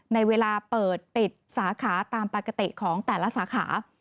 ในเวลาเปิดปิดสาขาตามปกติของแต่ละสาขา